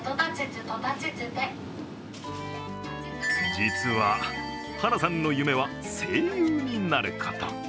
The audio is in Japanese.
実は、晴名さんの夢は声優になること。